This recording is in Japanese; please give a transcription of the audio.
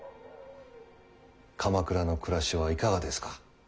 鎌倉の暮らしはいかがですか。